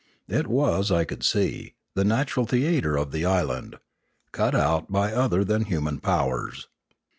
It was, I could see, the natural theatre of the island, cut out by other than human powers.